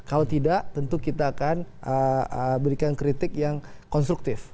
kalau tidak tentu kita akan berikan kritik yang konstruktif